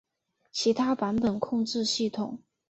其他版本控制系统